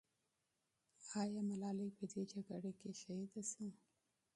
آیا ملالۍ په دې جګړه کې شهیده سوه؟